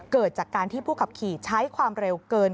เกิดจากการที่ผู้ขับขี่ใช้ความเร็วเกิน